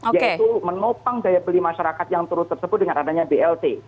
yaitu menopang daya beli masyarakat yang turun tersebut dengan adanya blt